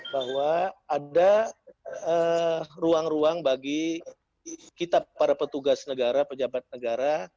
bahwa ada ruang ruang bagi kita para petugas negara pejabat negara